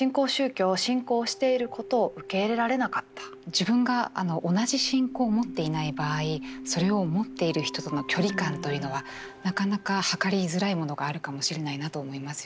自分が同じ信仰を持っていない場合それを持っている人との距離感というのはなかなか測りづらいものがあるかもしれないなと思いますよね。